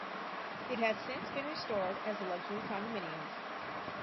It has since been restored as luxury condominiums.